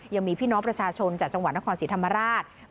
ยังมีพี่น้องประชาชนจากจังหวัดนครศรีธรรมราช